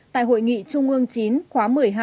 tại hội nghị trung ương chín khóa một mươi hai